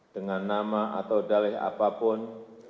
dengan nama atau dalih apapun